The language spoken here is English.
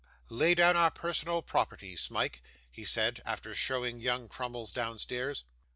Lay down our personal property, Smike,' he said, after showing young Crummles downstairs.